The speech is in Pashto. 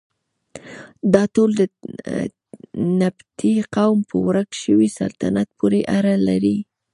دا ټول د نبطي قوم په ورک شوي سلطنت پورې اړه لري.